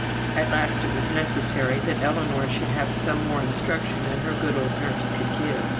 At last it was necessary that Ellinor should have some more instruction than her good old nurse could give.